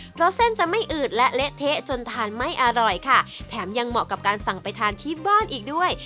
เพราะเส้นจะไม่อืดและเละเทะจนทานไม่อร่อยค่ะแถมยังเหมาะกับการสั่งไปทานที่บ้านอีกด้วย